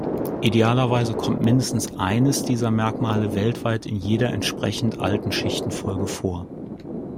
Idealerweise kommt mindestens eines dieser Merkmale weltweit in jeder entsprechend alten Schichtenfolge vor.